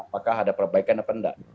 apakah ada perbaikan apa enggak